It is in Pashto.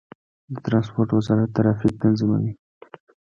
د ترانسپورت وزارت ټرافیک تنظیموي